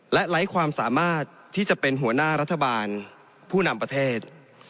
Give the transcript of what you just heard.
และไร้ความสามารถที่จะเป็นหัวหน้ารัฐบาลผู้นำประเทศ